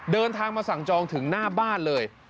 เดินทางมาสั่งจองถึงหน้าบ้านเลย